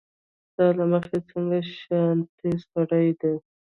ستا له مخې څنګه شانتې سړی دی